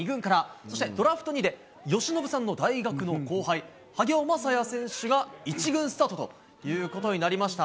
そして、ドラフト２位で由伸さんの大学の後輩、萩尾匡也選手が１軍スタートということになりました。